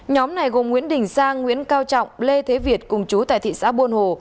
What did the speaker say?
nhóm này gồm nguyễn đình sang nguyễn cao trọng lê thế việt cùng chú tại thị xã buôn hồ